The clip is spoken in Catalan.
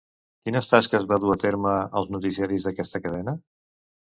Quines tasques va dur a terme als noticiaris d'aquesta cadena?